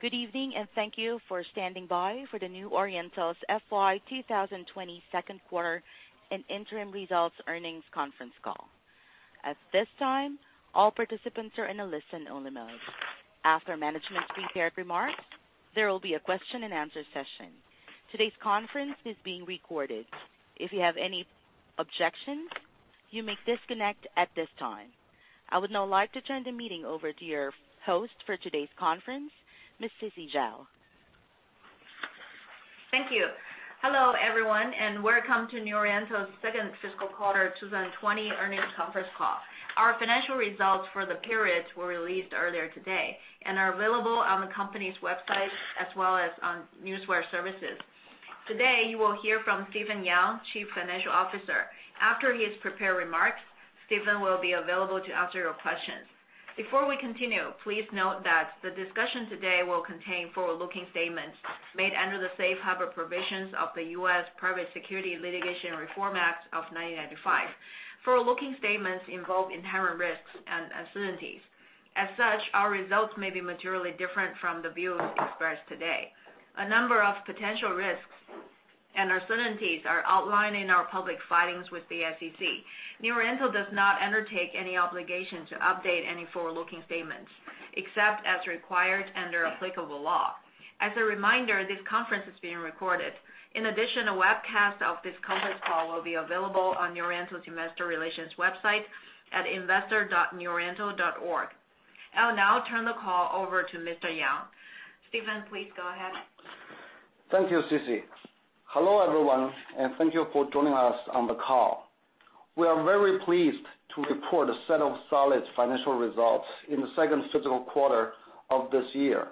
Good evening, and thank you for standing by for the New Oriental's FY 2020 second quarter and interim results earnings conference call. At this time, all participants are in a listen-only mode. After management's prepared remarks, there will be a question and answer session. Today's conference is being recorded. If you have any objections, you may disconnect at this time. I would now like to turn the meeting over to your host for today's conference, Ms. Sisi Zhao. Thank you. Hello, everyone, and welcome to New Oriental's second fiscal quarter 2020 earnings conference call. Our financial results for the period were released earlier today and are available on the company's website as well as on Newswire services. Today, you will hear from Stephen Yang, Chief Financial Officer. After his prepared remarks, Stephen will be available to answer your questions. Before we continue, please note that the discussion today will contain forward-looking statements made under the Safe Harbor Provisions of the U.S. Private Securities Litigation Reform Act of 1995. Forward-looking statements involve inherent risks and uncertainties. As such, our results may be materially different from the views expressed today. A number of potential risks and uncertainties are outlined in our public filings with the SEC. New Oriental does not undertake any obligation to update any forward-looking statements, except as required under applicable law. As a reminder, this conference is being recorded. In addition, a webcast of this conference call will be available on New Oriental's investor relations website at investor.neworiental.org. I'll now turn the call over to Mr. Yang. Stephen, please go ahead. Thank you, Sisi. Hello, everyone, and thank you for joining us on the call. We are very pleased to report a set of solid financial results in the second fiscal quarter of this year,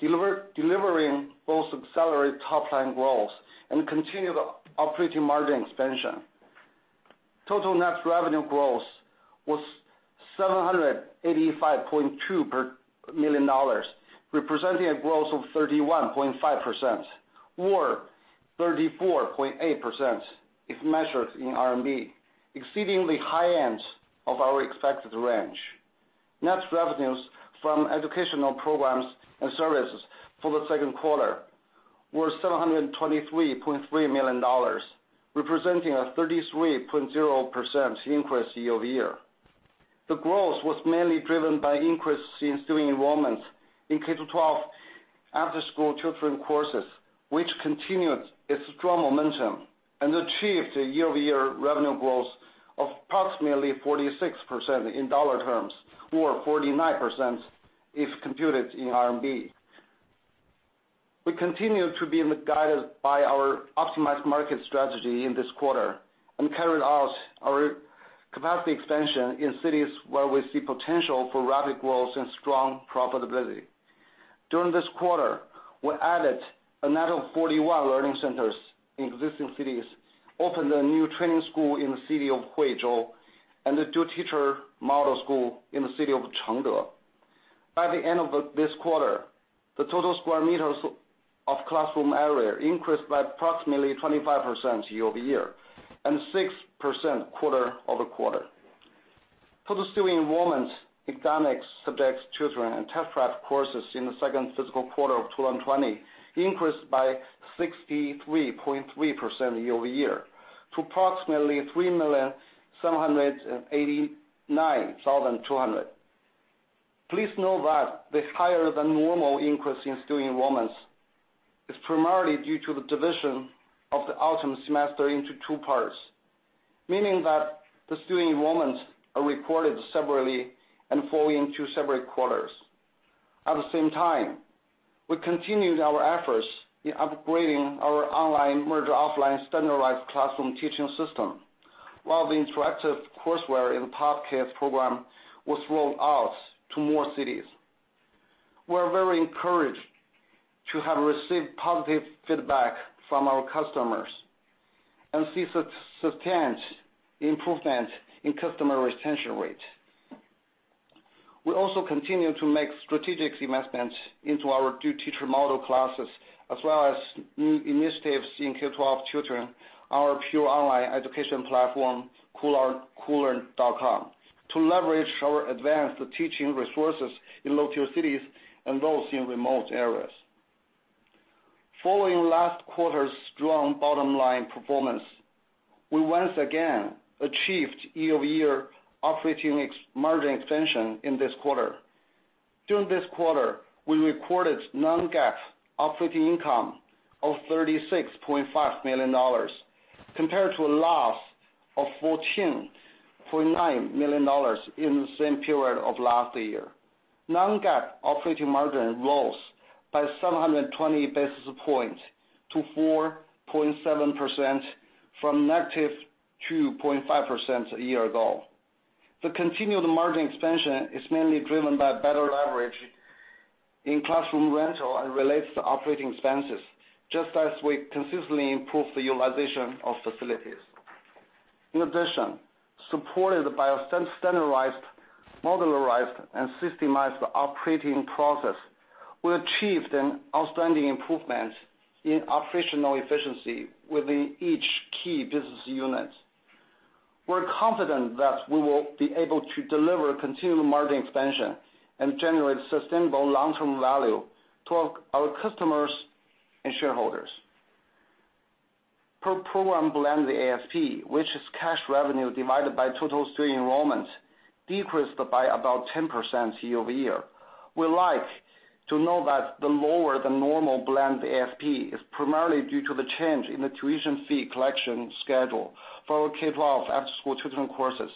delivering both accelerated top-line growth and continued operating margin expansion. Total net revenue growth was $785.2 million, representing a growth of 31.5%, or 34.8% if measured in RMB, exceeding the high end of our expected range. Net revenues from educational programs and services for the second quarter were $723.3 million, representing a 33.0% increase year-over-year. The growth was mainly driven by increase in student enrollments in K-12 after-school tutoring courses, which continued its strong momentum and achieved a year-over-year revenue growth of approximately 46% in dollar terms, or 49% if computed in RMB. We continued to be guided by our optimized market strategy in this quarter and carried out our capacity expansion in cities where we see potential for rapid growth and strong profitability. During this quarter, we added a net of 41 learning centers in existing cities, opened a new training school in the city of Huizhou, and the new teacher model school in the city of Chengde. By the end of this quarter, the total sq m of classroom area increased by approximately 25% year-over-year and 6% quarter-over-quarter. Total student enrollments in academic subjects, tutoring, and test prep courses in the second fiscal quarter of 2020 increased by 63.3% year-over-year to approximately 3,789,200. Please note that the higher-than-normal increase in student enrollments is primarily due to the division of the autumn semester into two parts, meaning that the student enrollments are recorded separately and fall into separate quarters. At the same time, we continued our efforts in upgrading our online merger offline standardized classroom teaching system, while the interactive courseware in the Pop Kids program was rolled out to more cities. We're very encouraged to have received positive feedback from our customers and see sustained improvement in customer retention rate. We also continue to make strategic investments into our new teacher model classes, as well as new initiatives in K-12 tutoring, our pure online education platform, Koolearn.com, to leverage our advanced teaching resources in lower-tier cities and those in remote areas. Following last quarter's strong bottom line performance, we once again achieved year-over-year operating margin expansion in this quarter. During this quarter, we recorded non-GAAP operating income of $36.5 million, compared to a loss of $14.9 million in the same period of last year. Non-GAAP operating margin rose by 720 basis points to 4.7% from -2.5% a year ago. The continued margin expansion is mainly driven by better leverage in classroom rental and relates to operating expenses, just as we consistently improve the utilization of facilities. In addition, supported by a standardized, modularized, and systemized operating process, we achieved an outstanding improvement in operational efficiency within each key business unit. We're confident that we will be able to deliver continued margin expansion and generate sustainable long-term value to our customers and shareholders. Per program blended ASP, which is cash revenue divided by total student enrollment, decreased by about 10% year-over-year. We like to know that the lower than normal blended ASP is primarily due to the change in the tuition fee collection schedule for our K-12 after-school tutoring courses.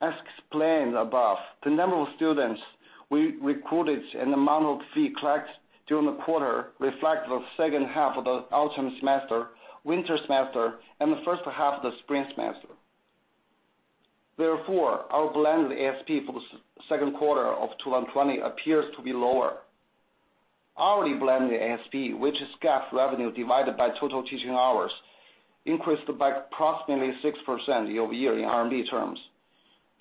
As explained above, the number of students we recruited and amount of fee collect during the quarter reflect the second half of the autumn semester, winter semester, and the first half of the spring semester. Therefore, our blended ASP for the second quarter of 2020 appears to be lower. Hourly blended ASP, which is GAAP revenue divided by total teaching hours, increased by approximately 6% year-over-year in RMB terms.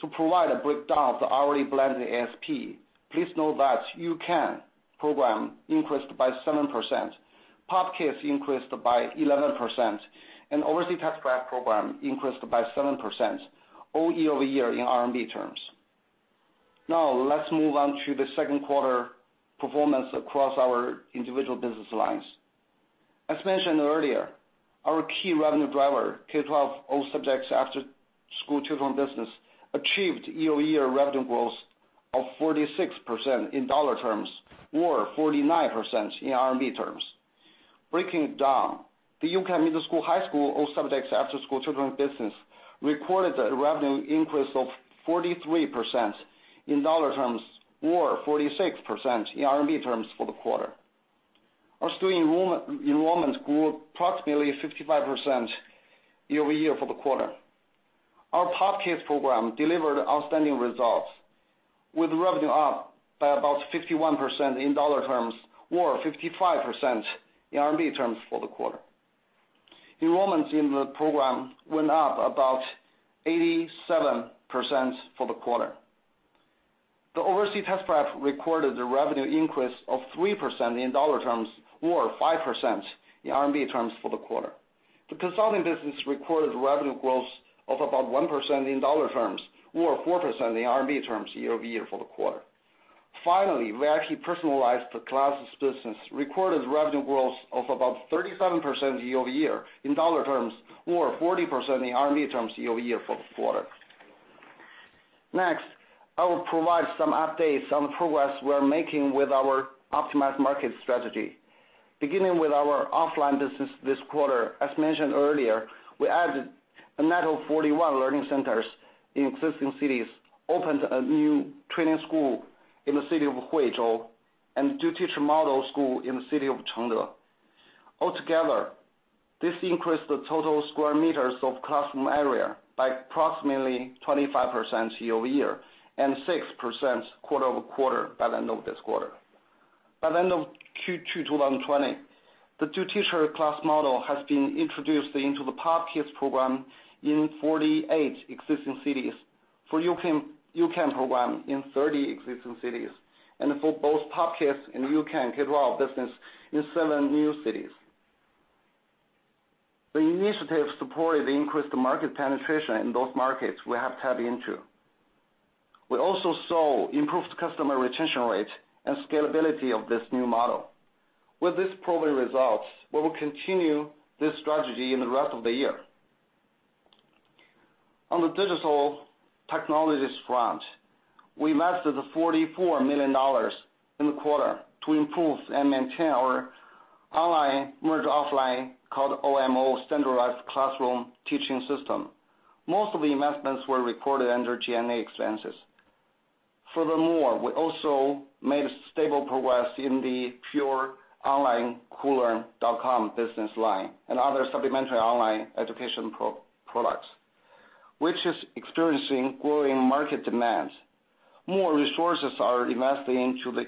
To provide a breakdown of the hourly blended ASP, please know that U-Can program increased by 7%, Pop Kids increased by 11%, and overseas test-prep program increased by 7% all year-over-year in RMB terms. Let's move on to the second quarter performance across our individual business lines. As mentioned earlier, our key revenue driver, K-12 all subjects after-school tutoring business, achieved year-over-year revenue growth of 46% in USD terms or 49% in RMB terms. Breaking it down, the U-Can middle school, high school, all subjects after-school tutoring business recorded a revenue increase of 43% in $ terms or 46% in RMB terms for the quarter. Our student enrollment grew approximately 55% year-over-year for the quarter. Our Pop Kids program delivered outstanding results with revenue up by about 51% in $ terms or 55% in RMB terms for the quarter. Enrollments in the program went up about 87% for the quarter. The overseas test-prep recorded the revenue increase of 3% in $ terms or 5% in RMB terms for the quarter. The consulting business recorded revenue growth of about 1% in $ terms or 4% in RMB terms year-over-year for the quarter. Finally, we actually personalized the classes business, recorded revenue growth of about 37% year-over-year in $ terms or 40% in RMB terms year-over-year for the quarter. Next, I will provide some updates on the progress we're making with our optimized market strategy. Beginning with our offline business this quarter, as mentioned earlier, we added a net of 41 learning centers in existing cities, opened a new training school in the city of Huizhou, and two teacher model school in the city of Chengde. Altogether, this increased the total sq m of classroom area by approximately 25% year-over-year and 6% quarter-over-quarter by the end of this quarter. By the end of Q2 2020, the two teacher class model has been introduced into the Pop Kids program in 48 existing cities. For U-Can program in 30 existing cities. For both Pop Kids and U-Can K-12 business in seven new cities. The initiative supported the increased market penetration in those markets we have tapped into. We also saw improved customer retention rate and scalability of this new model. With this probably results, we will continue this strategy in the rest of the year. On the digital technologies front, we invested $44 million in the quarter to improve and maintain our online merge offline, called OMO standardized classroom teaching system. Most of the investments were recorded under G&A expenses. Furthermore, we also made a stable progress in the pure online Koolearn.com business line and other supplementary online education products, which is experiencing growing market demand. More resources are investing into the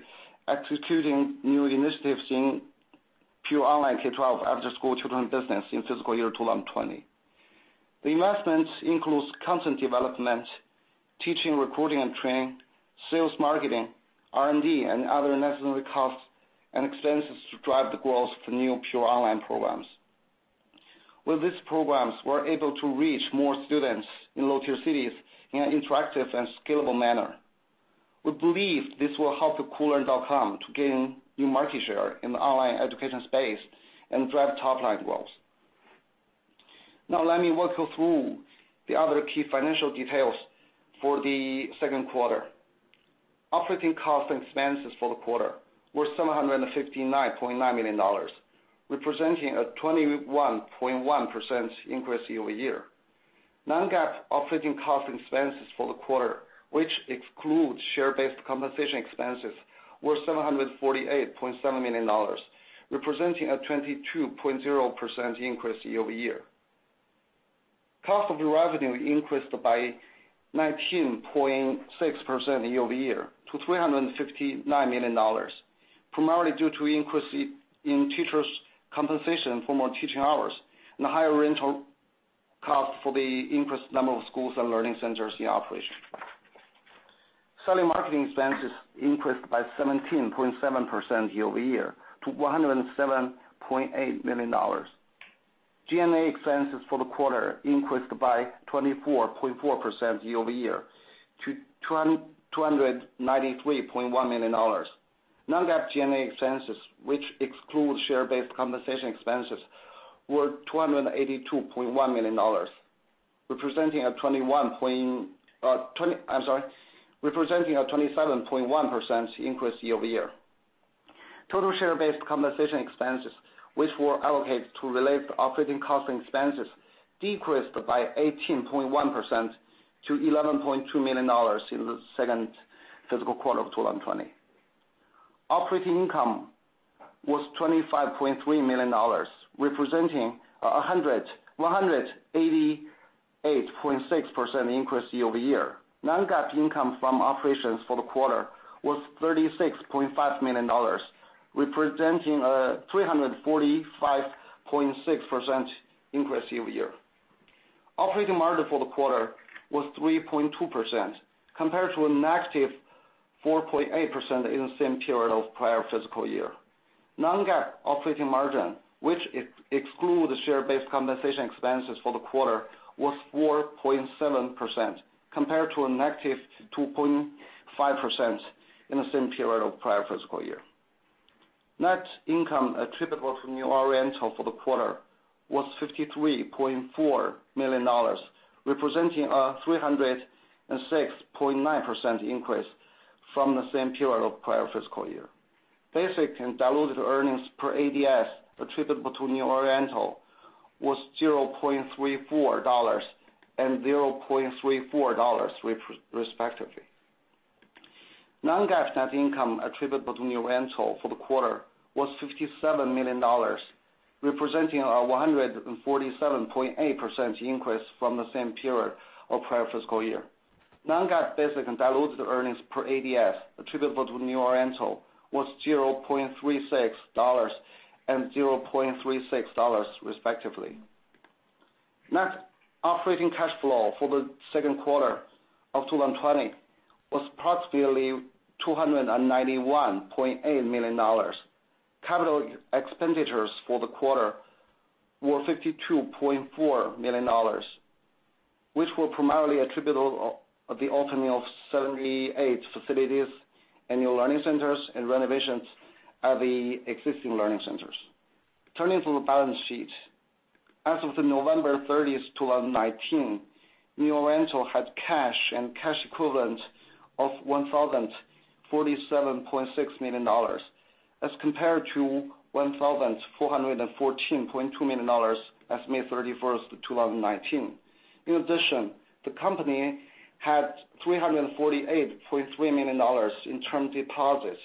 executing new initiatives in pure online K12 after-school tutoring business in fiscal year 2020. The investments includes content development, teaching, recruiting and training, sales, marketing, R&D, and other necessary costs and expenses to drive the growth for new pure online programs. With these programs, we're able to reach more students in lower tier cities in an interactive and scalable manner. We believe this will help the Koolearn.com to gain new market share in the online education space and drive top-line growth. Now let me walk you through the other key financial details for the second quarter. Operating costs and expenses for the quarter were $759.9 million, representing a 21.1% increase year-over-year. non-GAAP operating costs and expenses for the quarter, which excludes share-based compensation expenses, were $748.7 million, representing a 22.0% increase year-over-year. Cost of revenue increased by 19.6% year-over-year to $359 million, primarily due to increase in teachers' compensation for more teaching hours and the higher rental cost for the increased number of schools and learning centers in operation. Selling marketing expenses increased by 17.7% year-over-year to $107.8 million. G&A expenses for the quarter increased by 24.4% year-over-year to $293.1 million. non-GAAP G&A expenses, which excludes share-based compensation expenses, were $282.1 million, representing a 27.1% increase year-over-year. Total share-based compensation expenses, which were allocated to relate to operating cost expenses, decreased by 18.1% to $11.2 million in the second fiscal quarter of 2020. Operating income was $25.3 million, representing 188.6% increase year-over-year. Non-GAAP income from operations for the quarter was $36.5 million, representing a 345.6% increase year-over-year. Operating margin for the quarter was 3.2% compared to a negative 4.8% in the same period of prior fiscal year. Non-GAAP operating margin, which excludes share-based compensation expenses for the quarter, was 4.7% compared to a negative 2.5% in the same period of prior fiscal year. Net income attributable to New Oriental for the quarter was $53.4 million, representing a 306.9% increase from the same period of prior fiscal year. Basic and diluted earnings per ADS attributable to New Oriental was $0.34 and $0.34 respectively. non-GAAP net income attributable to New Oriental for the quarter was $57 million, representing a 147.8% increase from the same period of prior fiscal year. non-GAAP basic and diluted earnings per ADS attributable to New Oriental was $0.36 and $0.36 respectively. Net operating cash flow for the second quarter of 2020 was approximately $291.8 million. Capital expenditures for the quarter were $52.4 million, which were primarily attributable of the opening of 78 facilities and new learning centers and renovations at the existing learning centers. Turning to the balance sheet. As of November 30, 2019, New Oriental had cash and cash equivalents of $1,047.6 million as compared to $1,414.2 million as of May 31, 2019. In addition, the company had $348.3 million in term deposits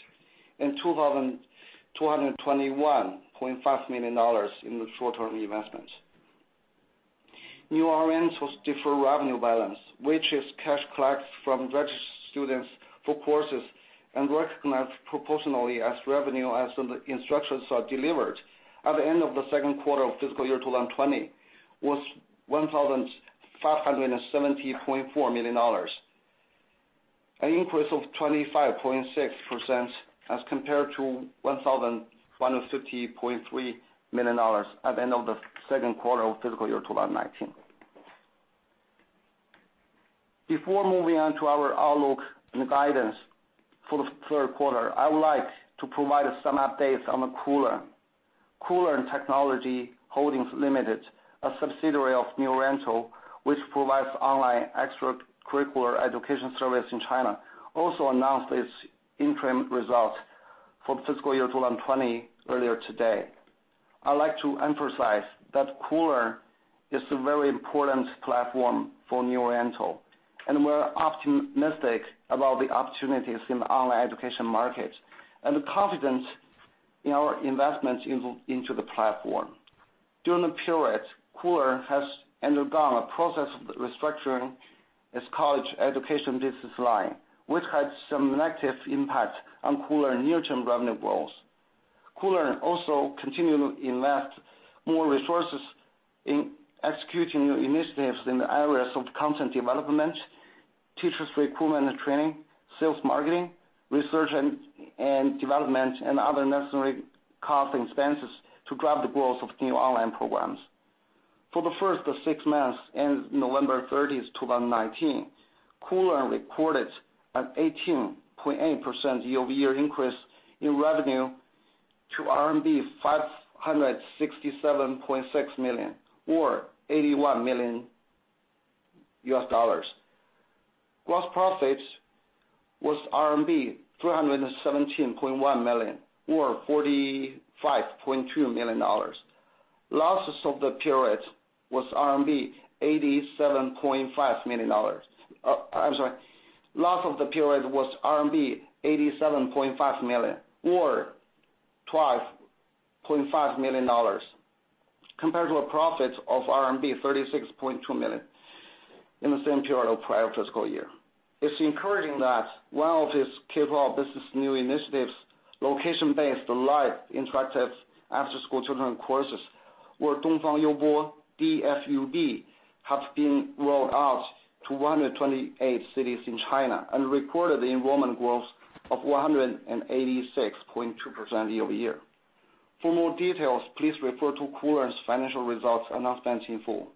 and $221.5 million in the short-term investments. New Oriental's deferred revenue balance, which is cash collected from registered students for courses and recognized proportionally as revenue as the instructions are delivered, at the end of the second quarter of fiscal year 2020 was $1,570.4 million, an increase of 25.6% as compared to $1,150.3 million at the end of the second quarter of fiscal year 2019. Before moving on to our outlook and guidance for the third quarter, I would like to provide some updates on the Koolearn. Koolearn Technology Holding Limited, a subsidiary of New Oriental, which provides online extracurricular education service in China, also announced its interim results for the fiscal year 2020 earlier today. I'd like to emphasize that Koolearn is a very important platform for New Oriental, and we're optimistic about the opportunities in the online education market, and confident in our investments into the platform. During the period, Koolearn has undergone a process of restructuring its college education business line, which had some negative impact on Koolearn near-term revenue growth. Koolearn also continued to invest more resources in executing new initiatives in the areas of content development, teachers recruitment and training, sales, marketing, research and development, and other necessary cost expenses to drive the growth of new online programs. For the first 6 months ending November 30th, 2019, Koolearn recorded an 18.8% year-over-year increase in revenue to RMB 567.6 million, or $81 million. Gross profits was RMB 317.1 million, or $45.2 million. Loss of the period was RMB 87.5 million, or $12.5 million, compared to a profit of RMB 36.2 million in the same period of prior fiscal year. It's encouraging that one of its K-12 business new initiatives, location-based live interactive after-school children courses, where Dongfang Youbo, DFUB, have been rolled out to 128 cities in China and recorded the enrollment growth of 186.2% year-over-year. For more details, please refer to Koolearn's financial results announcement in full.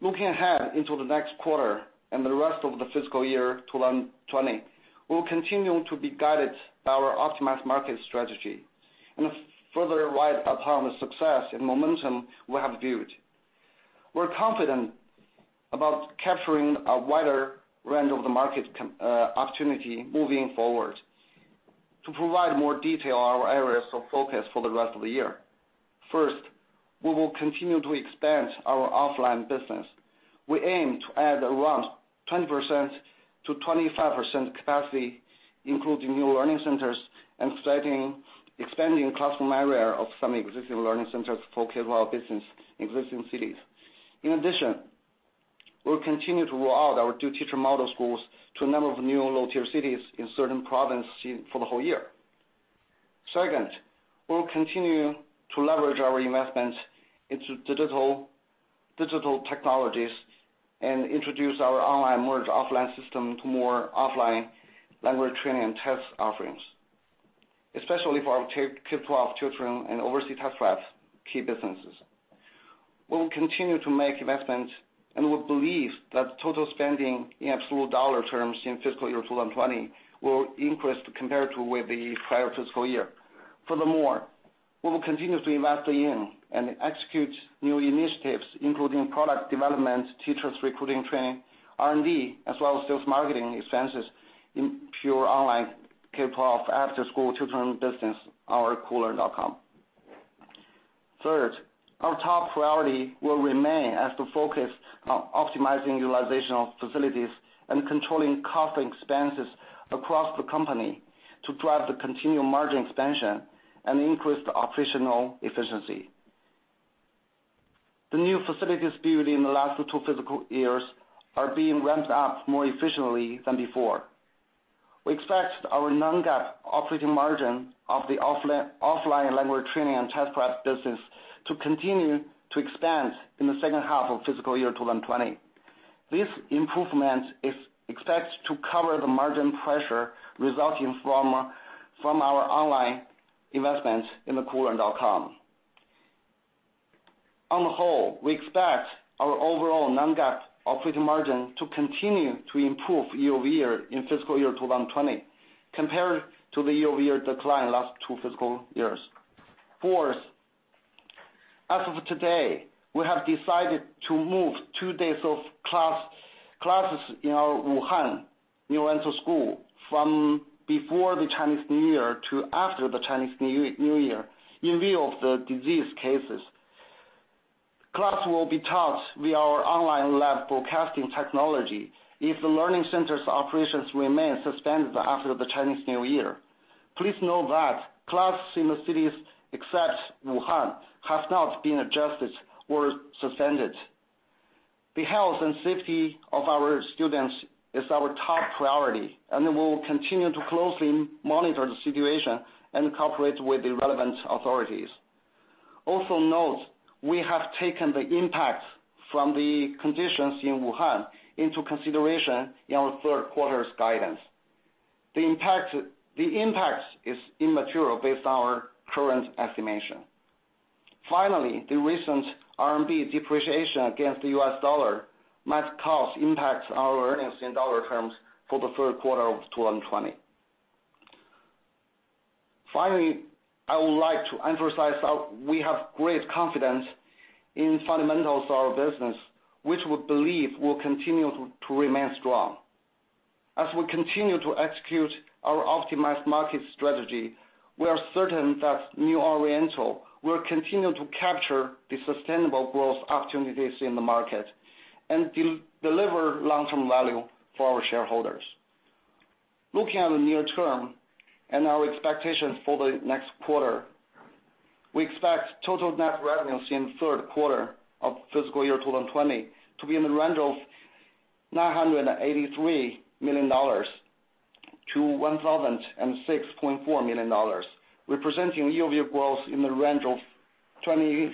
Looking ahead into the next quarter and the rest of the fiscal year 2020, we will continue to be guided by our optimized market strategy, and further ride upon the success and momentum we have built. We're confident about capturing a wider range of the market opportunity moving forward. To provide more detail on our areas of focus for the rest of the year, first, we will continue to expand our offline business. We aim to add around 20%-25% capacity, including new learning centers and expanding classroom area of some existing learning centers for K-12 business in existing cities. We'll continue to roll out our two-teacher model schools to a number of new low-tier cities in certain provinces for the whole year. Second, we will continue to leverage our investments into digital technologies and introduce our online merge offline system to more offline language training and test offerings, especially for our K-12 children and overseas test prep key businesses. We will continue to make investments and we believe that total spending in absolute dollar terms in fiscal year 2020 will increase compared with the prior fiscal year. Furthermore, we will continue to invest in and execute new initiatives, including product development, teachers recruiting training, R&D, as well as sales marketing expenses in pure online K-12 after-school tutoring business, our koolearn.com. Third, our top priority will remain as the focus on optimizing utilization of facilities and controlling cost expenses across the company to drive the continued margin expansion and increase the operational efficiency. The new facilities built in the last two physical years are being ramped up more efficiently than before. We expect our non-GAAP operating margin of the offline language training and test prep business to continue to expand in the second half of fiscal year 2020. This improvement is expected to cover the margin pressure resulting from our online investments in the koolearn.com. On the whole, we expect our overall non-GAAP operating margin to continue to improve year-over-year in fiscal year 2020, compared to the year-over-year decline last two fiscal years. Fourth, as of today, we have decided to move two days of classes in our Wuhan New Oriental school from before the Chinese New Year to after the Chinese New Year in view of the disease cases. Class will be taught via our online live broadcasting technology if the learning center's operations remain suspended after the Chinese New Year. Please know that classes in the cities except Wuhan have not been adjusted or suspended. The health and safety of our students is our top priority, and we will continue to closely monitor the situation and cooperate with the relevant authorities. Note, we have taken the impact from the conditions in Wuhan into consideration in our third quarter's guidance. The impact is immaterial based on our current estimation. The recent RMB depreciation against the US dollar might cause impacts on our earnings in dollar terms for the third quarter of 2020. I would like to emphasize we have great confidence in the fundamentals of our business, which we believe will continue to remain strong. We continue to execute our optimized market strategy, we are certain that New Oriental will continue to capture the sustainable growth opportunities in the market and deliver long-term value for our shareholders. Looking at the near term and our expectations for the next quarter, we expect total net revenues in the third quarter of fiscal year 2020 to be in the range of $983 million-$1,006.4 million, representing year-over-year growth in the range of 23%-26%.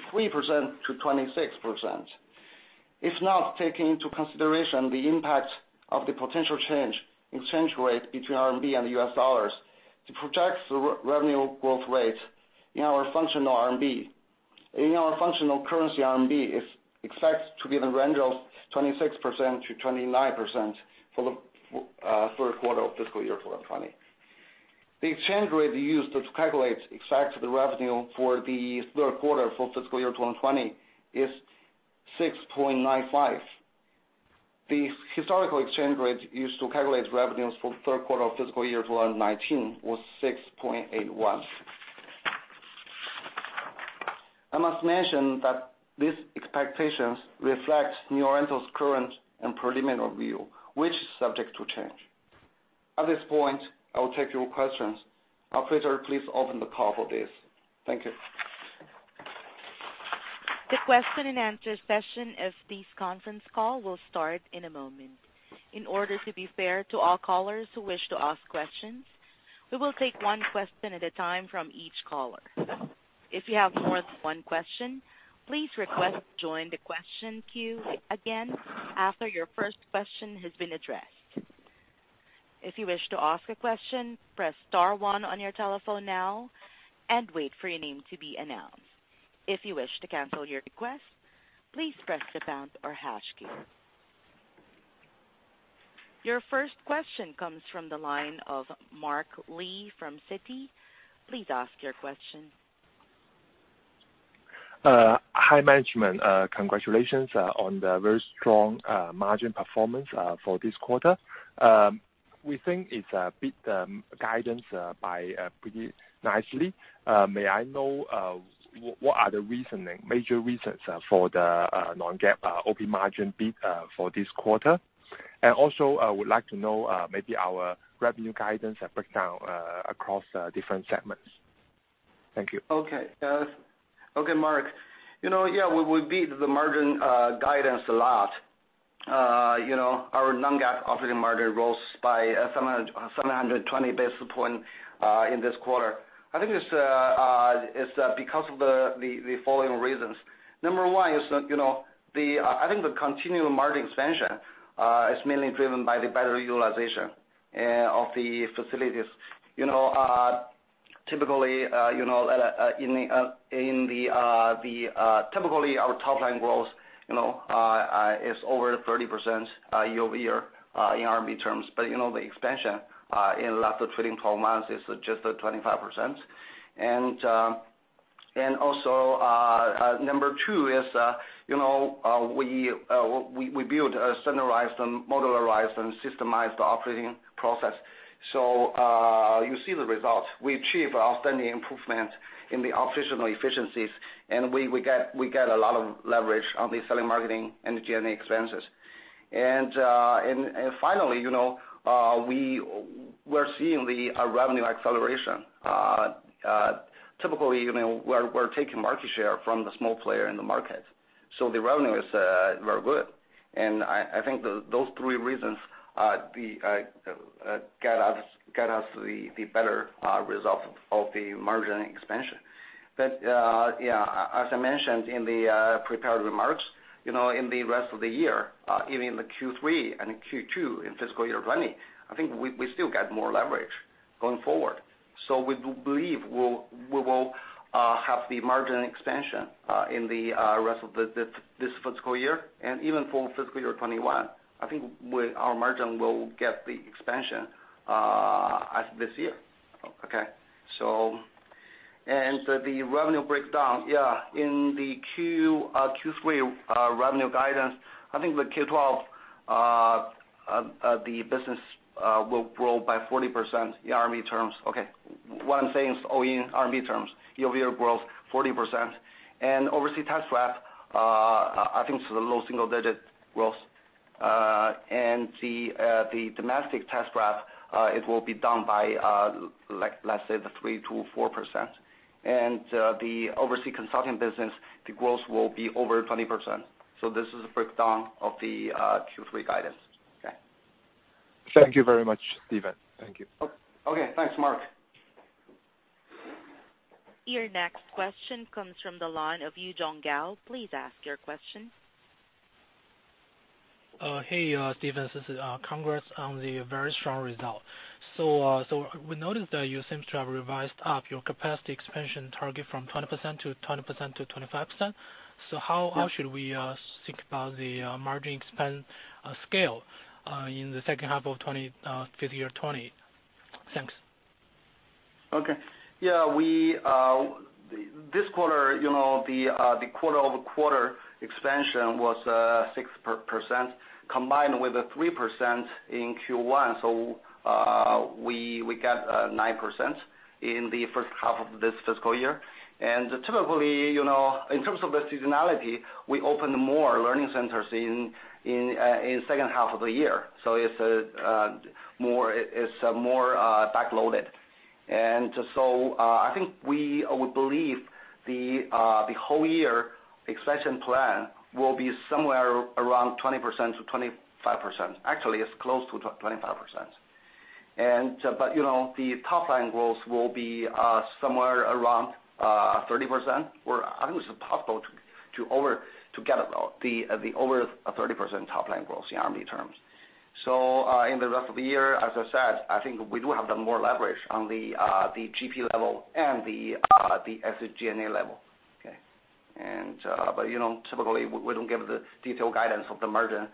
If not taking into consideration the impact of the potential change in exchange rate between RMB and the U.S. dollars, it projects the revenue growth rate in our functional currency RMB is expected to be in the range of 26%-29% for the third quarter of fiscal year 2020. The exchange rate used to calculate expected revenue for the third quarter for fiscal year 2020 is 6.95. The historical exchange rate used to calculate revenues for the third quarter of fiscal year 2019 was 6.81. I must mention that these expectations reflect New Oriental's current and preliminary view, which is subject to change. At this point, I will take your questions. Operator, please open the call for this. Thank you. The question and answer session of this conference call will start in a moment. In order to be fair to all callers who wish to ask questions, we will take one question at a time from each caller. If you have more than one question, please request to join the question queue again after your first question has been addressed. If you wish to ask a question, press star one on your telephone now and wait for your name to be announced. If you wish to cancel your request, please press the pound or hash key. Your first question comes from the line of Mark Li from Citi. Please ask your question. Hi, management. Congratulations on the very strong margin performance for this quarter. We think it beat the guidance by pretty nicely. May I know what are the major reasons for the non-GAAP OP margin beat for this quarter? Also, I would like to know maybe our revenue guidance breakdown across different segments. Thank you. Okay. Okay, Mark. Yeah, we beat the margin guidance a lot. Our non-GAAP operating margin rose by 720 basis points in this quarter. I think it's because of the following reasons. Number one is, I think the continuing margin expansion is mainly driven by the better utilization of the facilities. Typically, our top-line growth is over 30% year-over-year in RMB terms. But the expansion in the last 12 months is just at 25%. Also, number two is we build a standardized and modularized and systemized operating process. You see the results. We achieve outstanding improvement in the operational efficiencies, and we get a lot of leverage on the selling, marketing, and G&A expenses. Finally, we're seeing the revenue acceleration. Typically, we're taking market share from the small player in the market. The revenue is very good. I think those three reasons got us the better result of the margin expansion. As I mentioned in the prepared remarks, in the rest of the year, even in the Q3 and Q2 in fiscal year 2020, I think we still get more leverage going forward. We believe we will have the margin expansion in the rest of this fiscal year and even for fiscal year 2021. I think our margin will get the expansion as this year. The revenue breakdown, in the Q3 revenue guidance, I think the K-12 business will grow by 40% in RMB terms. What I'm saying is all in RMB terms, year-over-year growth 40%. Overseas test prep, I think it's the low single-digit growth. The domestic test prep, it will be down by, let's say 3%-4%. The overseas consulting business, the growth will be over 20%. This is a breakdown of the Q3 guidance. Okay. Thank you very much, Stephen. Thank you. Okay. Thanks, Mark. Your next question comes from the line of Yuzhong Gao. Please ask your question. Hey, Stephen. Congrats on the very strong result. We noticed that you seem to have revised up your capacity expansion target from 20% to 25%. How should we think about the margin expansion scale in the second half of fiscal year 2020? Thanks. Okay. Yeah. This quarter, the quarter-over-quarter expansion was 6%, combined with the 3% in Q1. We got 9% in the first half of this fiscal year. Typically, in terms of the seasonality, we open more learning centers in the second half of the year. It's more back-loaded. I think we would believe the whole year expansion plan will be somewhere around 20%-25%. Actually, it's close to 25%. The top-line growth will be somewhere around 30%, or I think it's possible to get above the over 30% top-line growth in RMB terms. In the rest of the year, as I said, I think we do have more leverage on the GP level and the SG&A level. Okay. Typically, we don't give the detailed guidance of the margin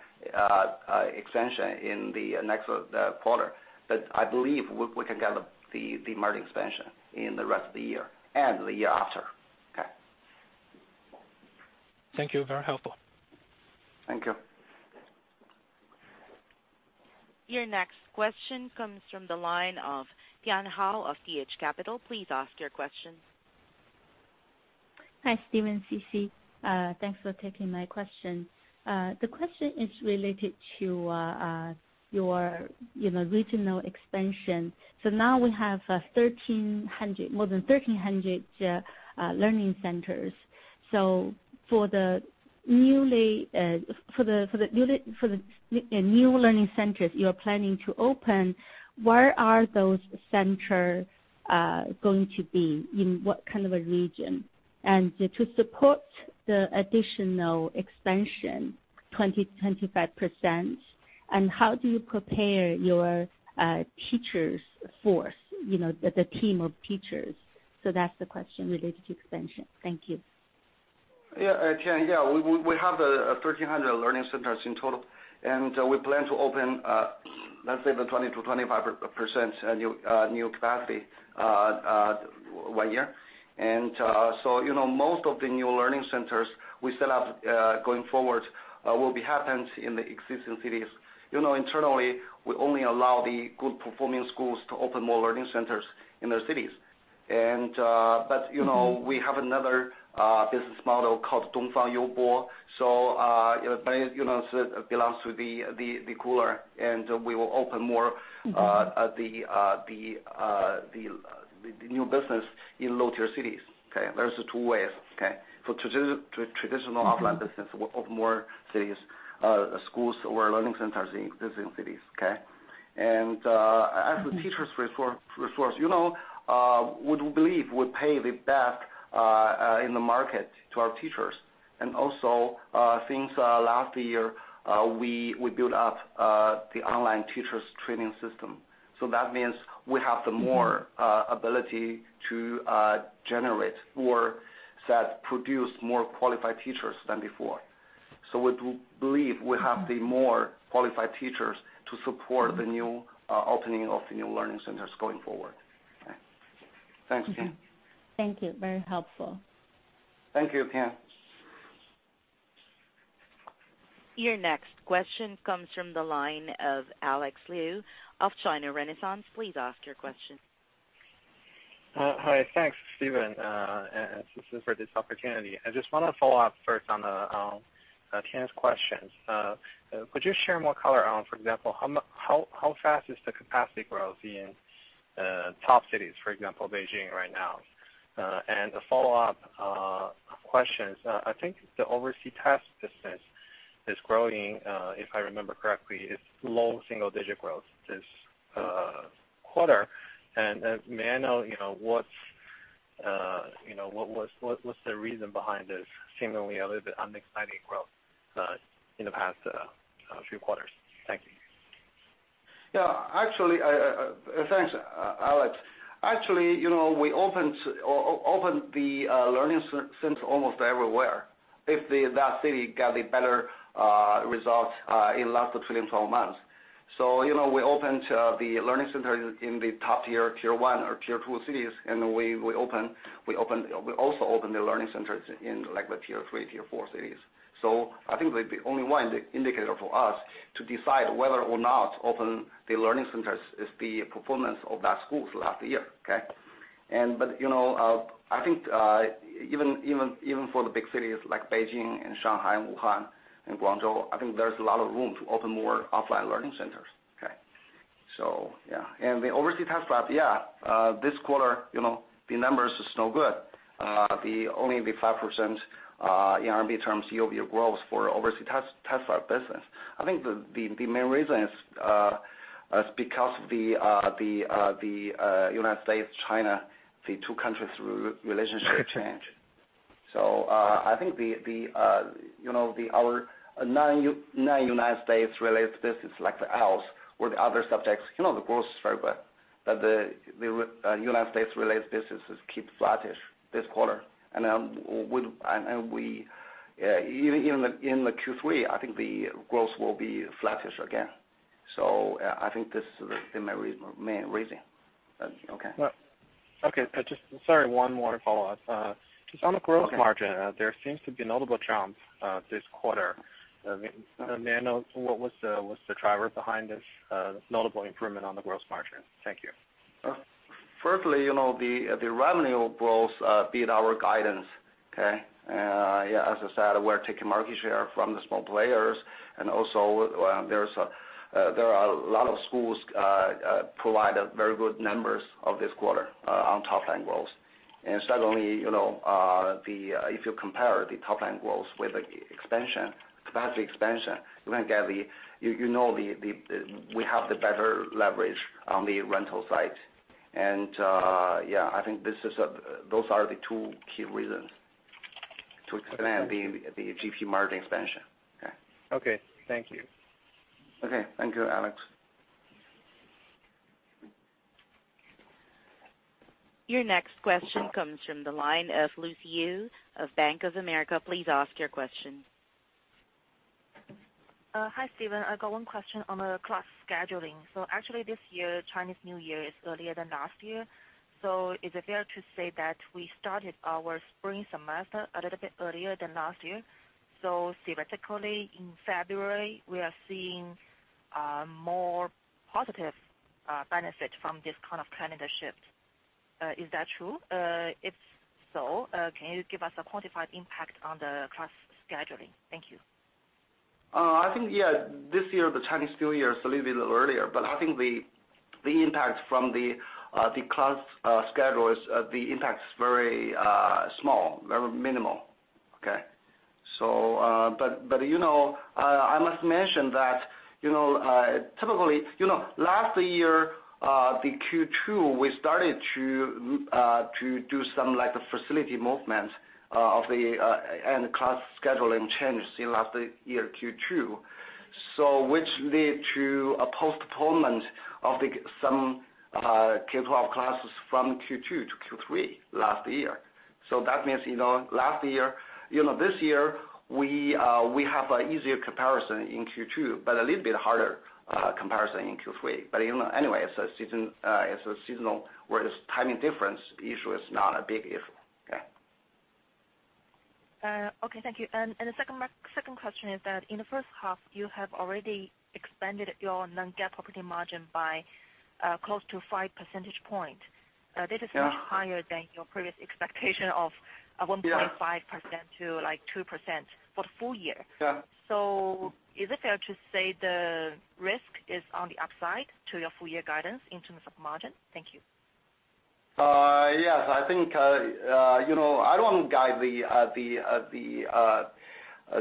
expansion in the next quarter. I believe we can get the margin expansion in the rest of the year and the year after. Okay. Thank you. Very helpful. Thank you. Your next question comes from the line of Tian Hou of T.H. Capital. Please ask your question. Hi, Stephen, Sisi. Thanks for taking my question. Now we have more than 1,300 learning centers. For the new learning centers you're planning to open, where are those centers going to be? In what kind of a region? To support the additional expansion, 20%-25%, how do you prepare your teachers force, the team of teachers? That's the question related to expansion. Thank you. Tian. We have the 1,300 learning centers in total, we plan to open, let's say, the 20%-25% new capacity one year. Most of the new learning centers we set up going forward will happen in the existing cities. Internally, we only allow the good-performing schools to open more learning centers in their cities. We have another business model called Dongfang Youbo, so it belongs to the Koolearn, we will open more of the new business in lower-tier cities. Okay? There's the two ways. Okay? For traditional offline business, we open more cities, schools, or learning centers in existing cities. As the teachers resource, we believe we pay the best in the market to our teachers. Also, since last year, we built up the online teachers training system. That means we have the more ability to generate, or produce more qualified teachers than before. We believe we have the more qualified teachers to support the opening of the new learning centers going forward. Okay. Thanks, Tian. Thank you. Very helpful. Thank you, Tian. Your next question comes from the line of Alex Liu of China Renaissance. Please ask your question. Hi. Thanks, Stephen and Sisi, for this opportunity. I just want to follow up first on Tian's questions. Could you share more color on, for example, how fast is the capacity growth in top cities, for example, Beijing right now? A follow-up question. I think the overseas test business is growing, if I remember correctly, it's low single-digit growth this quarter. May I know what's the reason behind this seemingly a little bit unexciting growth in the past few quarters? Thank you. Yeah. Thanks, Alex. Actually, we opened the learning centers almost everywhere if that city got the better results in the last 12 months. We opened the learning center in the top tier 1 or tier 2 cities, and we also opened the learning centers in the tier 3, tier 4 cities. I think the only one indicator for us to decide whether or not to open the learning centers is the performance of that school for the last year. Okay? I think even for the big cities like Beijing and Shanghai and Wuhan and Guangzhou, I think there's a lot of room to open more offline learning centers. Okay. Yeah. The overseas test lab, yeah this quarter, the numbers is no good. The only 5% RMB terms year-over-year growth for overseas test lab business. I think the main reason is because of the U.S., China, the two countries relationship change. I think our non-U.S. related business, like the IELTS or the other subjects, the growth is very good. The U.S. related businesses keep flattish this quarter. Even in the Q3, I think the growth will be flattish again. I think this is the main reason. Okay. Okay. Sorry, one more follow-up. Just on the gross margin, there seems to be notable jump this quarter. May I know what was the driver behind this notable improvement on the gross margin? Thank you. Firstly, the revenue growth beat our guidance. Okay? As I said, we're taking market share from the small players. Also there are a lot of schools provide very good numbers of this quarter on top line growth. If you compare the top line growth with the expansion, capacity expansion, you know we have the better leverage on the rental side. I think those are the two key reasons to explain the GP margin expansion. Okay. Okay. Thank you. Okay. Thank you, Alex. Your next question comes from the line of Lucy Yu of Bank of America. Please ask your question. Hi, Stephen. I got one question on the class scheduling. Actually this year, Chinese New Year is earlier than last year. Is it fair to say that we started our spring semester a little bit earlier than last year? Theoretically, in February, we are seeing more positive benefit from this kind of calendar shift. Is that true? If so, can you give us a quantified impact on the class scheduling? Thank you. I think, yes, this year, the Chinese New Year is a little bit earlier, but I think the impact from the class schedule is very small, very minimal. Okay. I must mention that, last year, the Q2, we started to do some facility movement and class scheduling change in last year Q2, which led to a postponement of some K-12 classes from Q2 to Q3 last year. That means this year, we have an easier comparison in Q2, but a little bit harder comparison in Q3. Anyway, it's a seasonal, where this timing difference issue is not a big issue. Okay. Okay, thank you. The second question is that in the first half, you have already expanded your non-GAAP operating margin by close to five percentage point. Yeah. This is much higher than your previous expectation of 1.5%-2% for the full year. Yeah. Is it fair to say the risk is on the upside to your full year guidance in terms of margin? Thank you. Yes. I don't want to guide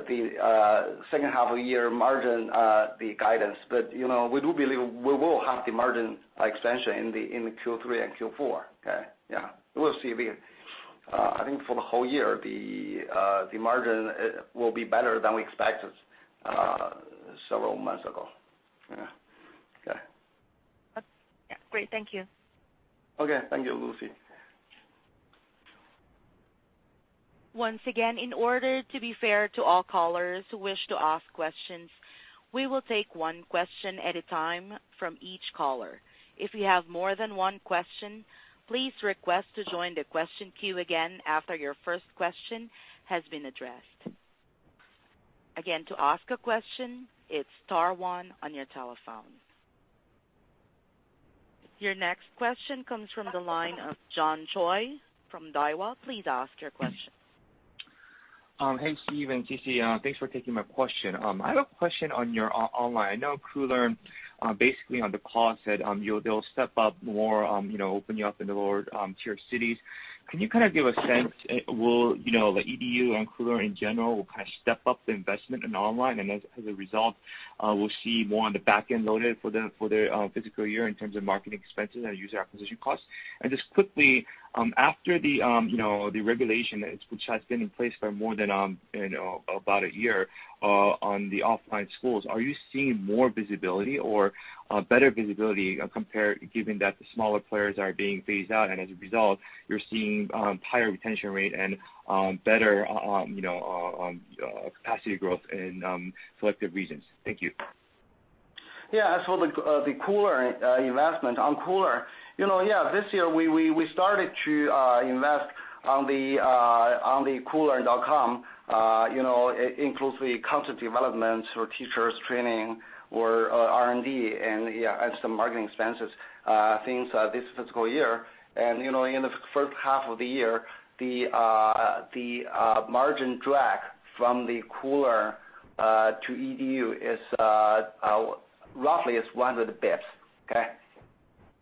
the second half of year margin, the guidance. We do believe we will have the margin expansion in the Q3 and Q4. Okay? Yeah. We'll see. I think for the whole year, the margin will be better than we expected several months ago. Yeah. Okay. Yeah. Great. Thank you. Okay. Thank you, Lucy. Once again, in order to be fair to all callers who wish to ask questions, we will take one question at a time from each caller. If you have more than one question, please request to join the question queue again after your first question has been addressed. Again, to ask a question, it's star one on your telephone. Your next question comes from the line of John Choi from Daiwa. Please ask your question. Hey, Stephen and Sisi. Thanks for taking my question. I have a question on your online. I know Koolearn, basically on the call said they'll step up more, open you up in the lower tier cities. Can you kind of give a sense, will the EDU and Koolearn in general kind of step up the investment in online and as a result, we'll see more on the back-end loaded for the fiscal year in terms of marketing expenses and user acquisition costs? Just quickly, after the regulation, which has been in place for more than about a year on the offline schools, are you seeing more visibility or better visibility given that the smaller players are being phased out and as a result, you're seeing higher retention rate and better capacity growth in selective regions? Thank you. As for the investment on Koolearn. This year we started to invest on the koolearn.com, includes the content development for teachers training or R&D, and some marketing expenses things this fiscal year. In the first half of the year, the margin drag from the Koolearn to EDU roughly is 100 basis points. Okay.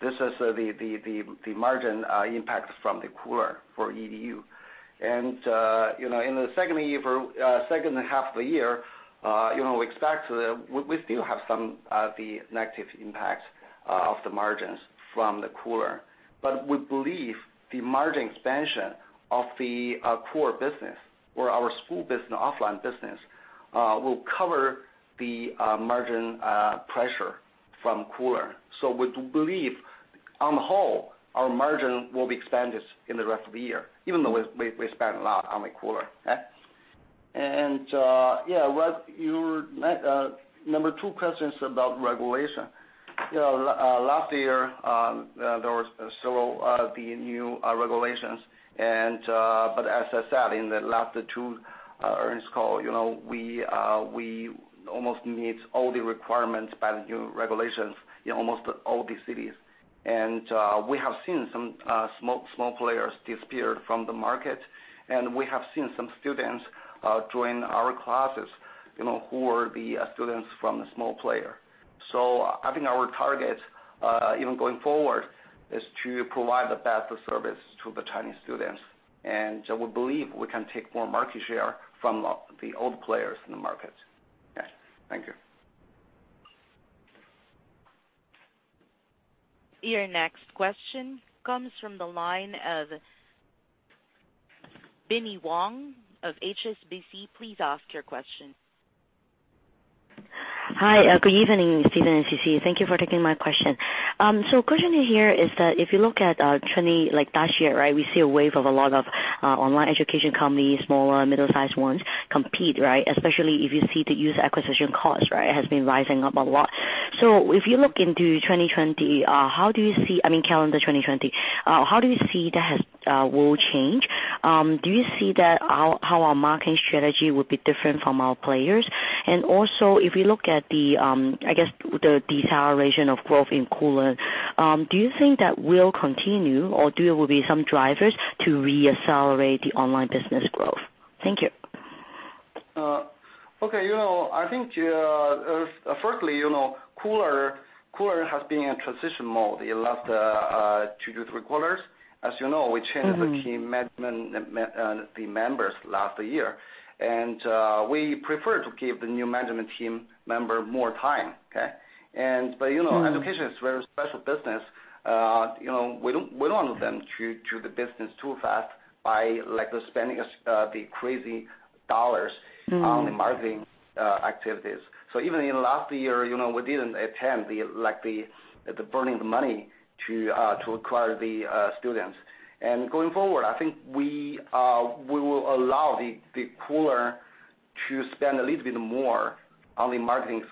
This is the margin impact from the Koolearn for EDU. In the second half of the year, we expect we still have some of the negative impact of the margins from the Koolearn. We believe the margin expansion of the core business or our school business, offline business, will cover the margin pressure from Koolearn. We do believe on the whole, our margin will be expanded in the rest of the year, even though we spent a lot on the Koolearn. Okay. Your number 2 question is about regulation. Last year, there was several of the new regulations. As I said in the last two earnings call, we almost meet all the requirements by the new regulations in almost all the cities. We have seen some small players disappear from the market, and we have seen some students join our classes who are the students from the small player. I think our target even going forward is to provide the best service to the Chinese students. We believe we can take more market share from the old players in the market. Okay. Thank you. Your next question comes from the line of Binnie Wong of HSBC. Please ask your question. Hi. Good evening, Stephen and Sisi. Thank you for taking my question. Question in here is that if you look at 2019 like last year, right? We see a wave of a lot of online education companies, small, middle-sized ones compete, right? Especially if you see the user acquisition cost has been rising up a lot. If you look into 2020, how do you see I mean, calendar 2020, how do you see that will change? Do you see that how our marketing strategy would be different from our players? If you look at the, I guess, the deceleration of growth in Koolearn, do you think that will continue, or there will be some drivers to re-accelerate the online business growth? Thank you. Okay. I think, firstly, Koolearn has been in transition mode in last two to three quarters. As you know, we changed the team management members last year. We prefer to give the new management team member more time. Okay? Education is a very special business. We don't want them to do the business too fast by spending the crazy dollars on the marketing activities. Even in last year, we didn't attempt the burning the money to acquire the students. Going forward, I think we will allow Koolearn to spend a little bit more on the marketing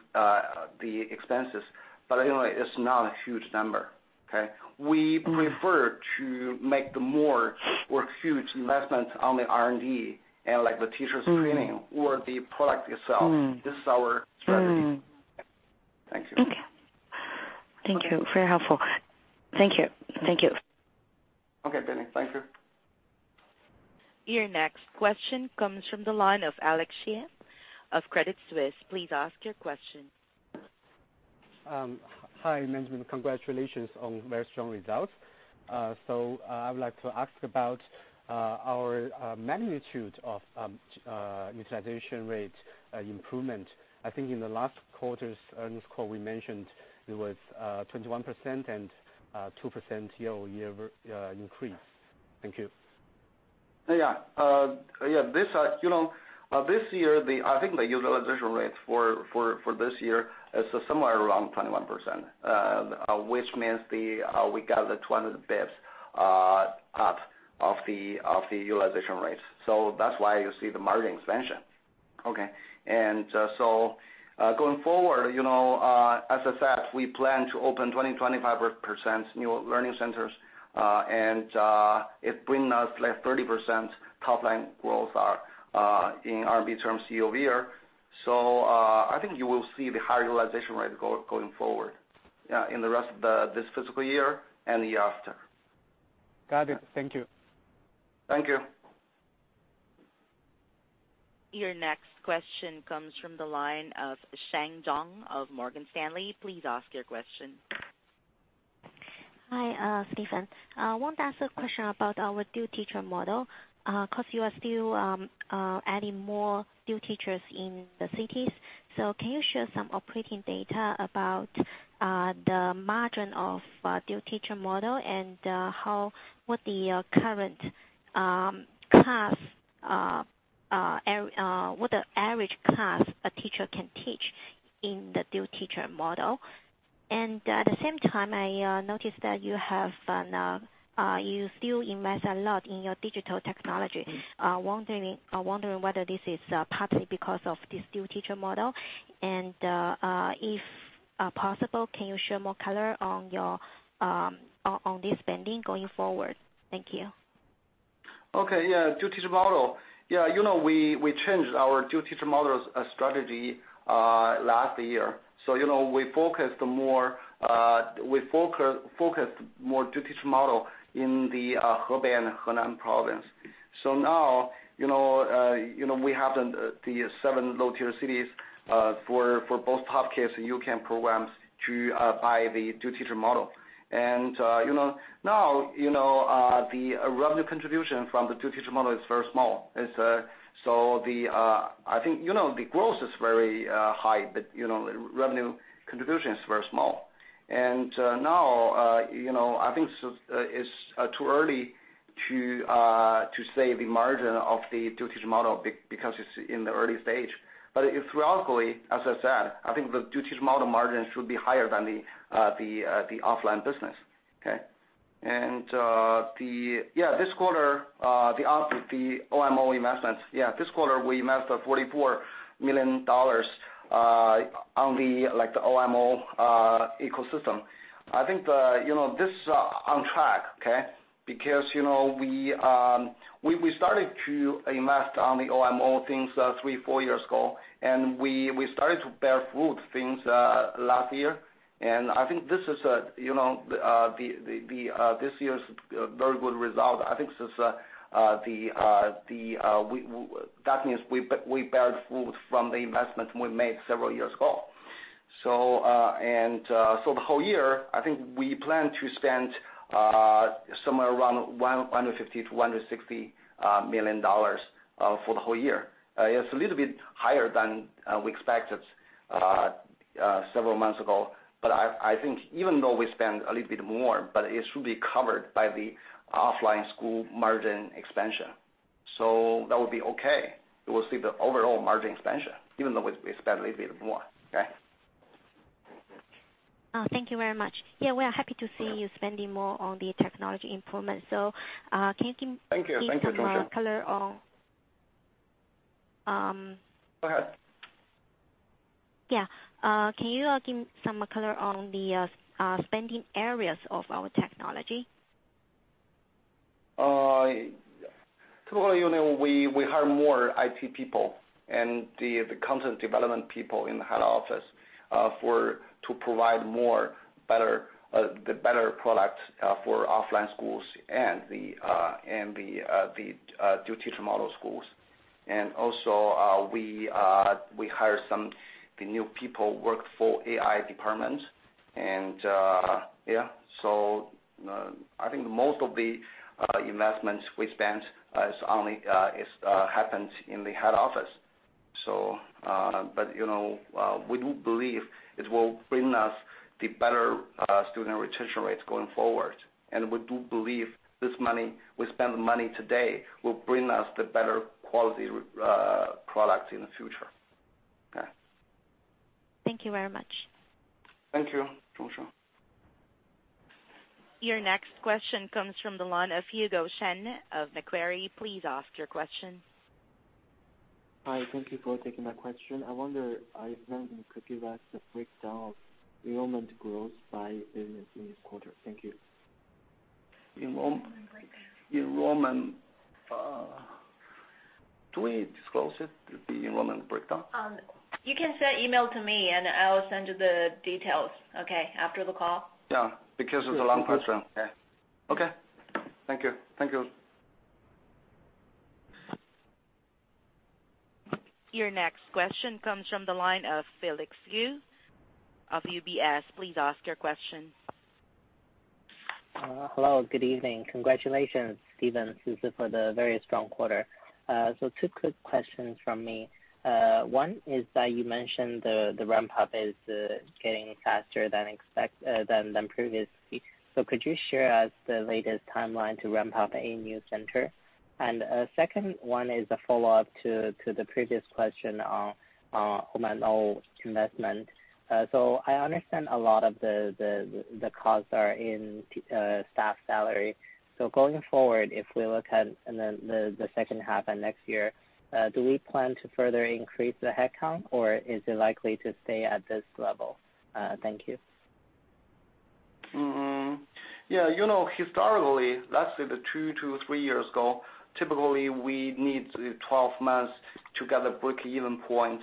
expenses. It's not a huge number. Okay? We prefer to make the more or huge investments on the R&D, and the teachers training or the product itself. This is our strategy. Thank you. Okay. Thank you. Very helpful. Thank you. Okay. Binnie, thank you. Your next question comes from the line of Alex Xie of Credit Suisse. Please ask your question. Hi, management. Congratulations on very strong results. I would like to ask about our magnitude of utilization rate improvement. I think in the last quarter's earnings call, we mentioned it was 21% and 2% year-over-year increase. Thank you. Yeah. This year, I think the utilization rate for this year is somewhere around 21%, which means we got the 200 basis points up of the utilization rates. That's why you see the margin expansion. Okay. Going forward, as I said, we plan to open 20%-25% new learning centers, and it bring us like 30% top line growth in CNY terms year-over-year. I think you will see the higher utilization rate going forward in the rest of this fiscal year and the year after. Got it. Thank you. Thank you. Your next question comes from the line of Sheng Zhong of Morgan Stanley. Please ask your question. Hi, Stephen. I want to ask a question about our dual-teacher model. You are still adding more dual teachers in the cities. Can you share some operating data about the margin of dual-teacher model and what the average class a teacher can teach in the dual-teacher model? At the same time, I noticed that you still invest a lot in your digital technology. I wonder whether this is partly because of this dual-teacher model. If possible, can you share more color on this spending going forward? Thank you. Okay. Yeah. Dual-teacher model. We changed our dual-teacher model strategy last year. We focused more dual-teacher model in the Hebei and Henan province. Now, we have the 7 low-tier cities for both Pop Kids and U-Can programs by the dual-teacher model. Now, the revenue contribution from the dual-teacher model is very small. I think the growth is very high, but revenue contribution is very small. Now, I think it's too early to say the margin of the dual-teacher model because it's in the early stage. Philosophically, as I said, I think the dual-teacher model margin should be higher than the offline business. Okay? This quarter, the OMO investments. This quarter, we invested $44 million on the OMO ecosystem. I think this is on track, okay? We started to invest on the OMO things three, four years ago, we started to bear fruit things last year. I think this year's very good result. I think that means we bear fruit from the investments we made several years ago. The whole year, I think we plan to spend somewhere around $150 million-$160 million for the whole year. It's a little bit higher than we expected several months ago. I think even though we spend a little bit more, but it should be covered by the offline school margin expansion. That would be okay. We will see the overall margin expansion, even though we spend a little bit more. Okay? Thank you very much. Yeah, we are happy to see you spending more on the technology improvement. can you give- Thank you. Thank you, Georgia. me some color on Go ahead. Yeah. Can you give some color on the spending areas of our technology? Typically, we hire more IT people and the content development people in the head office to provide better products for offline schools and the new teacher model schools. Also we hire some new people work for AI departments. I think most of the investments we spent happens in the head office. We do believe it will bring us the better student retention rates going forward. We do believe this money, we spend the money today, will bring us the better quality products in the future. Okay. Thank you very much. Thank you, Sheng Zhong. Your next question comes from the line of Hugo Shen of Macquarie. Please ask your question. Hi. Thank you for taking my question. I wonder if you could give us a breakdown of enrollment growth by business in this quarter. Thank you. Enrollment. Do we disclose it, the enrollment breakdown? You can send email to me and I will send you the details, okay, after the call. Yeah. Because of the long question. Yeah. Okay. Thank you. Your next question comes from the line of Felix Yu of UBS. Please ask your question. Hello, good evening. Congratulations, Stephen and Sisi, for the very strong quarter. Two quick questions from me. One is that you mentioned the ramp-up is getting faster than previously. Could you share us the latest timeline to ramp up a new center? Second one is a follow-up to the previous question on OMO investment. I understand a lot of the costs are in staff salary. Going forward, if we look at the second half and next year, do we plan to further increase the headcount, or is it likely to stay at this level? Thank you. Historically, two to three years ago, typically we need 12 months to get a break-even point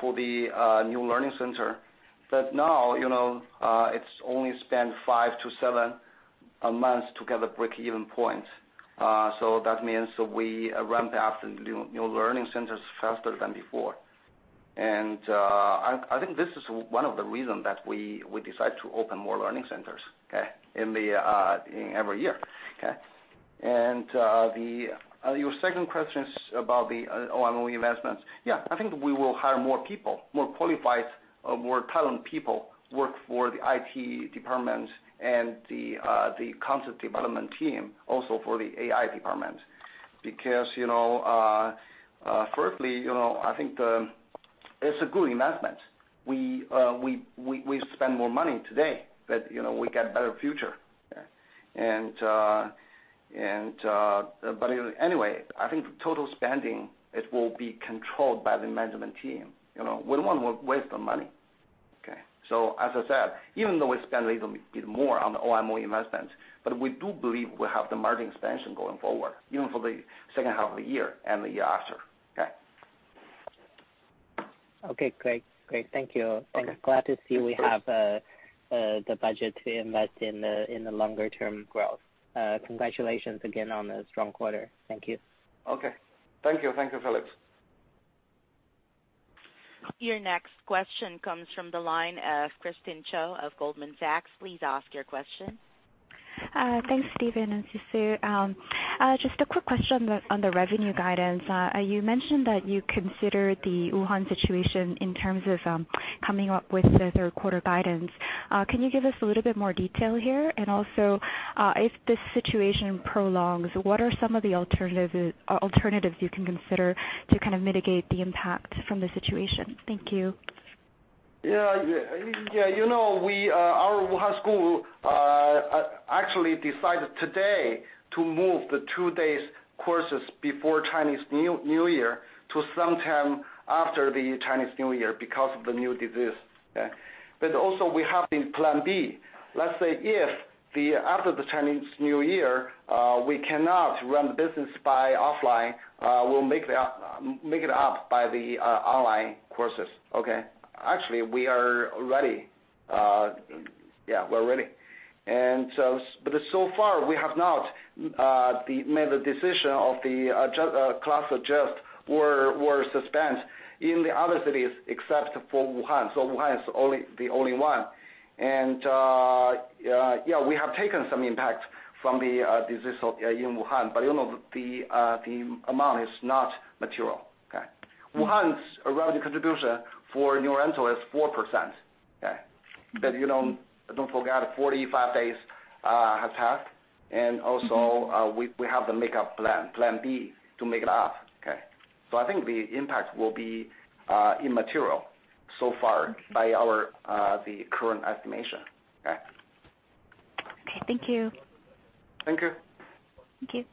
for the new learning center. Now, it's only spent five to seven months to get a break-even point. That means we ramp up the new learning centers faster than before. I think this is one of the reason that we decide to open more learning centers in every year. Your second question is about the OMO investments. I think we will hire more people, more qualified, more talent people work for the IT department and the content development team, also for the AI department. Firstly, I think it's a good investment. We spend more money today, we get better future. Anyway, I think total spending, it will be controlled by the management team. We don't want to waste the money, okay. As I said, even though we spend a little bit more on the OMO investments, but we do believe we have the margin expansion going forward, even for the second half of the year and the year after. Okay. Okay, great. Thank you. Okay. I'm glad to see we have the budget to invest in the longer-term growth. Congratulations again on a strong quarter. Thank you. Okay. Thank you. Thank you, Felix. Your next question comes from the line of Christine Cho of Goldman Sachs. Please ask your question. Thanks, Stephen and Sisi. Just a quick question on the revenue guidance. You mentioned that you consider the Wuhan situation in terms of coming up with the third quarter guidance. Can you give us a little bit more detail here? Also, if this situation prolongs, what are some of the alternatives you can consider to kind of mitigate the impact from the situation? Thank you. Yeah. Our Wuhan school actually decided today to move the two days courses before Chinese New Year to sometime after the Chinese New Year because of the new disease. Okay. Also we have the plan B. Let's say if after the Chinese New Year, we cannot run the business by offline, we'll make it up by the online courses, okay. Actually, we are ready. Yeah, we're ready. So far, we have not made the decision of the class adjust or suspend in the other cities except for Wuhan. Wuhan is the only one. Yeah, we have taken some impact from the disease in Wuhan, but the amount is not material, okay. Wuhan's revenue contribution for New Oriental is 4%. Okay. Don't forget 45 days has passed, and also we have the make up plan B to make it up, okay. I think the impact will be immaterial so far by the current estimation. Okay. Thank you. Thank you. Thank you.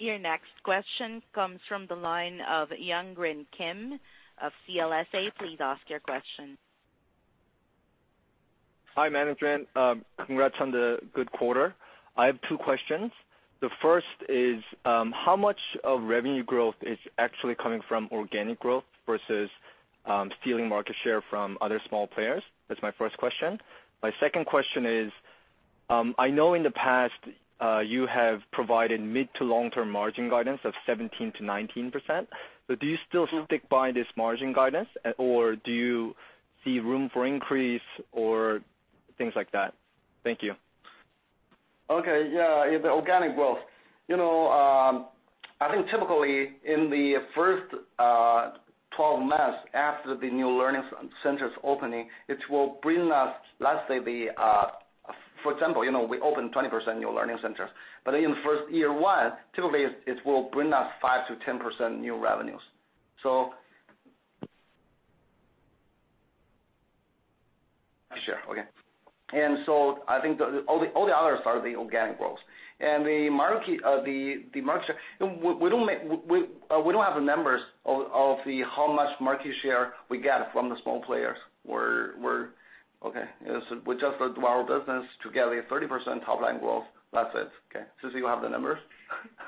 Your next question comes from the line of Youngrin Kim of CLSA. Please ask your question. Hi, management. Congrats on the good quarter. I have two questions. The first is, how much of revenue growth is actually coming from organic growth versus stealing market share from other small players? That's my first question. My second question is, I know in the past, you have provided mid to long-term margin guidance of 17%-19%. Do you still stick by this margin guidance, or do you see room for increase or things like that? Thank you. Okay. Yeah. In the organic growth. I think typically in the first 12 months after the new learning center's opening, it will bring us, let's say, for example, we open 20% new learning centers. In first year one, typically, it will bring us 5%-10% new revenues. Sure. Okay. I think all the others are the organic growth. The market share, we don't have the numbers of how much market share we get from the small players. We're just our business together, 30% top-line growth. That's it. Okay. Sisi, you have the numbers?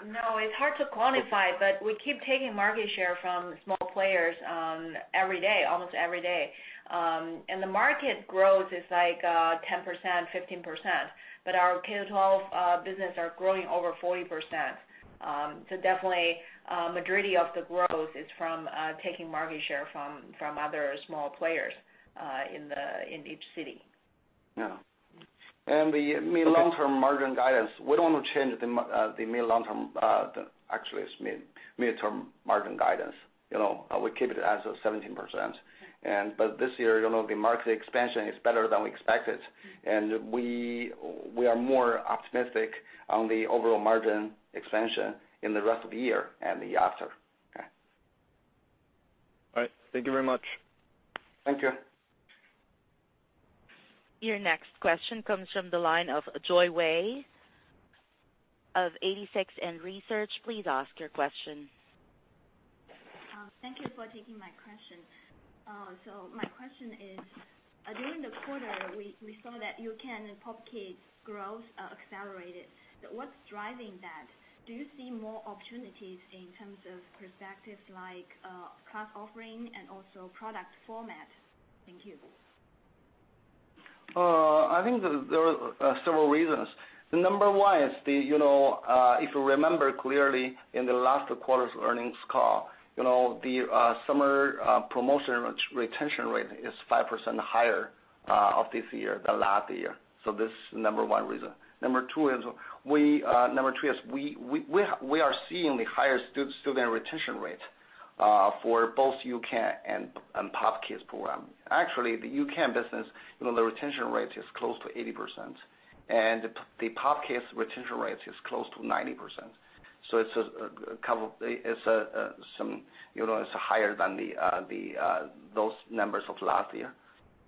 No, it's hard to quantify, but we keep taking market share from small players every day, almost every day. The market growth is like 10%, 15%, but our K-12 business are growing over 40%. Definitely, majority of the growth is from taking market share from other small players in each city. Yeah. The mid long-term margin guidance, we don't want to change the mid long-term, actually, it's mid-term margin guidance. We keep it as a 17%. This year, the market expansion is better than we expected, and we are more optimistic on the overall margin expansion in the rest of the year and the after. Okay. All right. Thank you very much. Thank you. Your next question comes from the line of Joy Wei of 86Research. Please ask your question. Thank you for taking my question. My question is, during the quarter, we saw that U-Can and Pop Kids growth accelerated. What's driving that? Do you see more opportunities in terms of perspectives like class offering and also product format? Thank you. I think there are several reasons. Number one is, if you remember clearly in the last quarter's earnings call, the summer promotion retention rate is 5% higher of this year than last year. This is number one reason. Number two is we are seeing the higher student retention rate, for both U-Can and Pop Kids program. Actually, the U-Can business, the retention rate is close to 80%, and the Pop Kids retention rate is close to 90%. It's higher than those numbers of last year.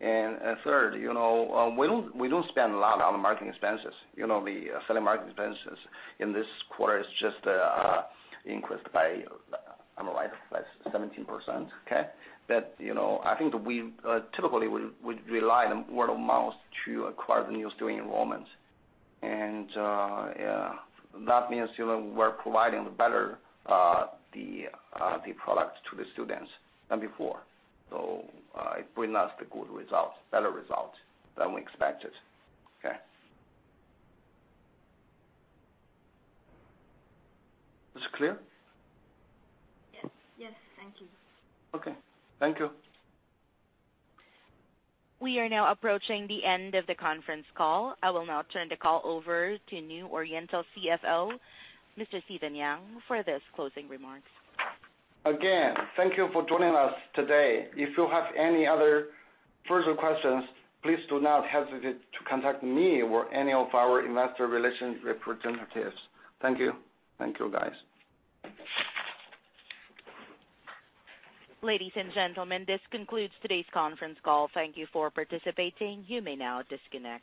Third, we don't spend a lot on marketing expenses. The selling marketing expenses in this quarter is just increased by, am I right, by 17%, okay? I think typically, we rely on word of mouth to acquire the new student enrollments. Yeah, that means we're providing better the product to the students than before. It bring us the good results, better results than we expected. Okay. Is it clear? Yes. Thank you. Okay. Thank you. We are now approaching the end of the conference call. I will now turn the call over to New Oriental CFO, Mr. Stephen Yang, for his closing remarks. Again, thank you for joining us today. If you have any other further questions, please do not hesitate to contact me or any of our investor relations representatives. Thank you. Thank you, guys. Ladies and gentlemen, this concludes today's conference call. Thank you for participating. You may now disconnect.